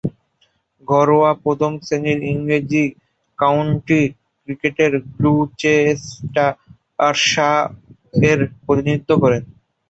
ঘরোয়া প্রথম-শ্রেণীর ইংরেজ কাউন্টি ক্রিকেটে গ্লুচেস্টারশায়ারের প্রতিনিধিত্ব করেন।